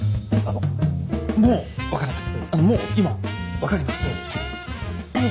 あっもう分かります